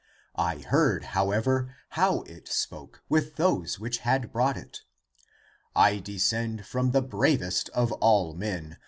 I heard, however, how it spoke <With those which had brought it> :' I descend from the bravest of all men.